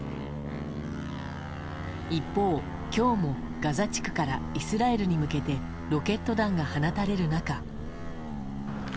一方、今日もガザ地区からイスラエルに向けてロケット弾が放たれる中。